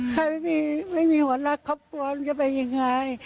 ใครไม่มีหัวรักครอบครัวมึงจะไปยังไง